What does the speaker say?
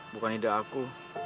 bukan ide aku